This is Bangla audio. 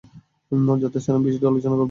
যথাস্থানে আমি বিষয়টি আলোচনা করব, ইনশাআল্লাহ্।